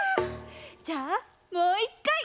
じゃあもう１かい！